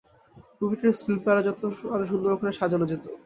মুভিটার স্ক্রিনপ্লে আরো সুন্দর করে সাজানো যেত।